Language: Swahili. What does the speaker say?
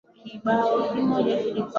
Mtu hadharau kazi, ile ahisiyo duni